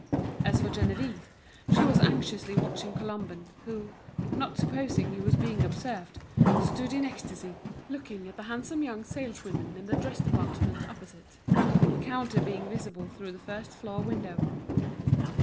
As for Geneviève, she was anxiously watching Colomban, who, not supposing he was being observed, stood in ecstasy, looking at the handsome young saleswomen in the dress department opposite, the counter being visible through the first floor window.